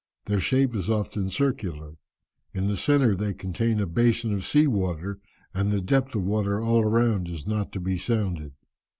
Their shape is often circular. In the centre they contain a basin of sea water, and the depth of water all round is not to be sounded.